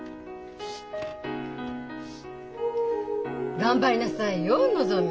頑張りなさいよのぞみ！